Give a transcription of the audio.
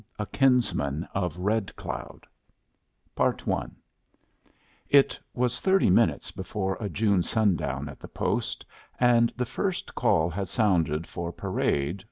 A Kinsman of Red Cloud I It was thirty minutes before a June sundown at the post, and the first call had sounded for parade.